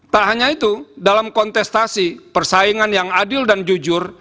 tak hanya itu dalam kontestasi persaingan yang adil dan jujur